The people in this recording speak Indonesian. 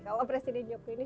kalau presiden jokowi ini